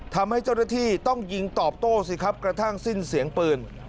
ทำให้เจ้าหน้าที่ต้องยิงตอบโต้สิครับกระทั่งสิ้นเสียงปืน